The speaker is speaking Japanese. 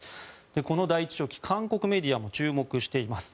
この第１書記、韓国メディアも注目しています。